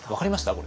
これ。